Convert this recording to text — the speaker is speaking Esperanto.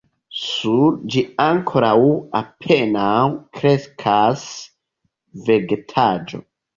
Sur ĝi ankoraŭ apenaŭ kreskas vegetaĵo.